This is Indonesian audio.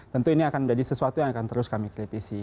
tentu ini akan menjadi sesuatu yang akan terus kami kritisi